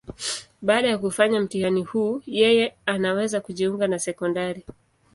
Baada ya kufanya mtihani huu, yeye anaweza kujiunga na sekondari.